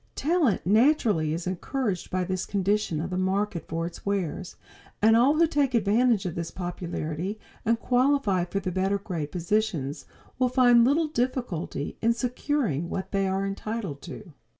Talent naturally is encouraged by this condition of the market for its wares, and all who take advantage of this popularity and qualify for the better grade positions will find little difficulty in securing what they are entitled to.